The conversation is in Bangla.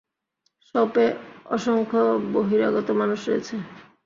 শপে অসংখ্য বহিরাগত মানুষ রয়েছে!